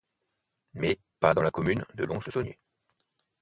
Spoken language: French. Mais pas dans la commune de Lons-le-Saunier.